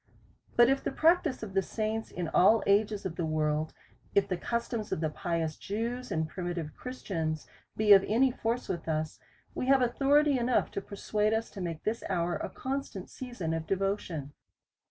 But if the practice of the saints in all ages of the world, if the customs of the pious Jews and primitive Christians be of any force with us, we have authority enough to persuade us, to make this hour a constant season of devotion.